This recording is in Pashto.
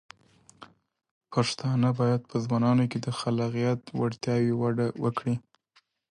پښتانه بايد په ځوانانو کې د خلاقیت وړتیاوې وده ورکړي.